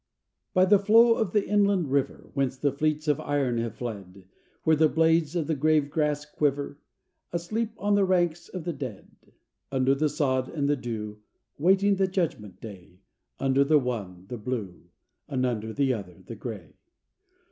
"By the flow of the inland river, Whence the fleets of iron have fled, Where the blades of the grave grass quiver, Asleep on the ranks of the dead Under the sod and the dew, Waiting the judgment day; Under the one, the Blue; Under the other, the Gray.